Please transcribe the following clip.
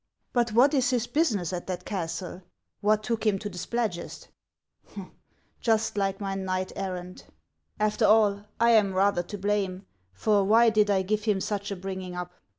But what is his business at that castle ? What took him to the Splad gest ? Just like my knight errant. After all, I ani rather to blame, for why did I give him such a bringing up